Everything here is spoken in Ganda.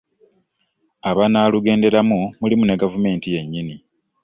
Abanaalugenderamu mulimu ne gavumenti yennyini.